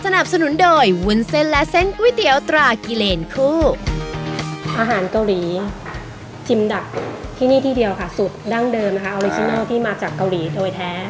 ตรากิเลนคู่อาหารเกาหลีชิมดักที่นี่ที่เดียวค่ะสูตรดั้งเดิมนะคะออริจินัลที่มาจากเกาหลีโดยแท้